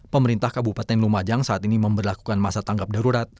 pemerintah kabupaten lumajang saat ini memperlakukan masa tanggap darurat